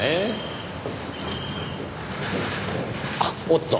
あっおっと。